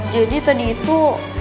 jadi tadi itu